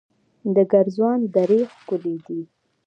د ګرزوان درې ښکلې دي